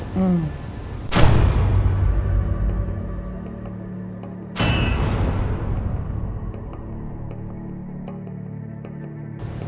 อืม